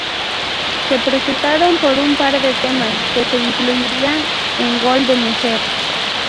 Se presentaron un par de temas que se incluirían en Gol de mujer.